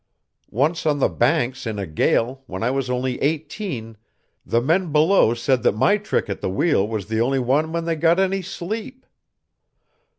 Once on the Banks in a gale, when I was only eighteen, the men below said that my trick at the wheel was the only one when they got any sleep.